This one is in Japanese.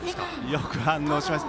よく反応しました。